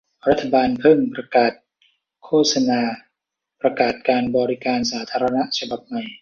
รัฐบาลเพิ่งประกาศโฆษณาประกาศการบริการสาธารณะฉบับใหม่